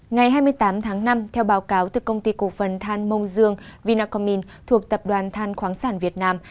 ngày hai mươi tám tháng năm theo báo cáo từ công ty cổ phần than mông dương vinacomin thuộc tập đoàn than khoáng sản việt nam